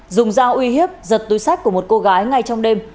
dùng dao uy hiếp giật túi sách của một cô gái ngay trong đêm